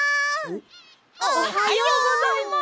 おはよう！おはようございます！